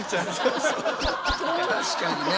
確かにね。